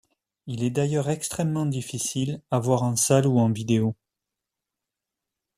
Il est d'ailleurs extrêmement difficile à voir en salle ou en vidéo.